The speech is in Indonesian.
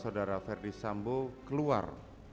saudara ferdis sambo keluar